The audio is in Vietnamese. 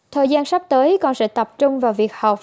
thời gian sắp tới con sẽ tập trung vào việc học